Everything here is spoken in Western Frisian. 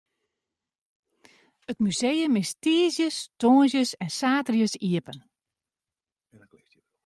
It museum is tiisdeis, tongersdeis en saterdeis iepen.